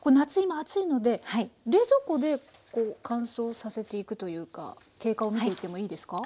今暑いので冷蔵庫でこう乾燥させていくというか経過を見ていってもいいですか？